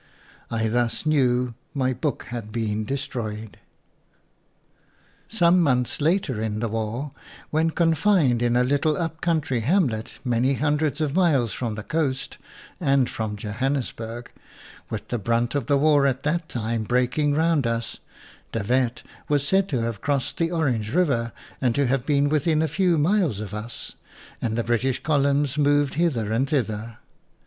I thus knew my book had been destroyed. "Some months later in the war when confined in a little up country hamlet many hundreds of miles from the coast and from Johannesburg; with the brunt of the war at that time breaking round us, de Wet was said to have crossed the Orange River and to have been within a few miles of us, and the British col umns moved hither and thither.